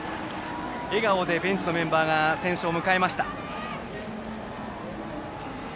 笑顔でベンチのメンバーが選手を迎えました。